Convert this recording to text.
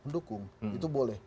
pendukung itu boleh